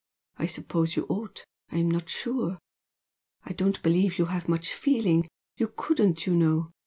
I suppose you ought I'm not sure! I don't believe you have much feeling, you couldn't, you know!